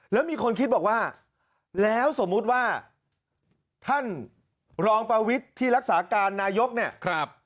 แล้วมีคนคิดบอกว่าแล้วสมมุติว่าท่านรองประวิทย์ที่รักษาการนายกเนี่ย